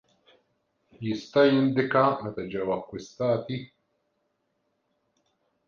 Jista' jindika meta ġew akkwistati?